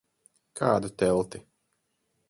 Kādu telti?